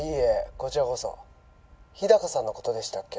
こちらこそ日高さんのことでしたっけ？